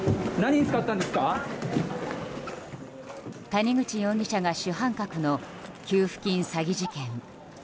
谷口容疑者が主犯格の給付金詐欺事件。